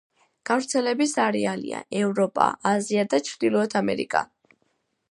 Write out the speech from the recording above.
გავრცელების არეალია: ევროპა, აზია და ჩრდილოეთი ამერიკა.